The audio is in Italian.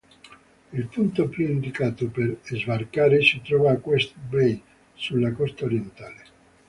Il punto più indicato per sbarcare si trova a Quest Bay, sulla costa orientale.